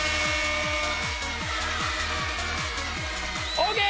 オッケー！